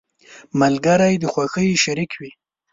• ملګری د خوښۍ شریك وي.